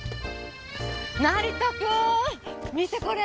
成田君見てこれ！